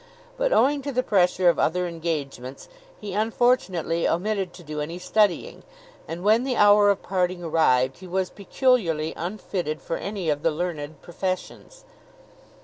But owing to the pressure of other engagements he unfortunately omitted to do any studying, and when the hour of parting arrived he was peculiarly unfitted for any of the learned professions.